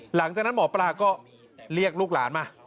หลังจากนั้นหมอปลาก็เรียกลูกหลานมา